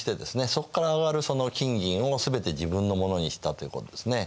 そこから上がる金銀を全て自分のものにしたということですね。